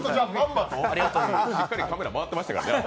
しっかりカメラ回ってましたけどね。